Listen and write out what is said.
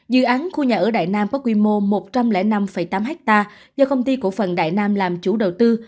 dự án khu nhà ở đại nam có quy mô một trăm linh năm tám ha do công ty cổ phần đại nam làm chủ đầu tư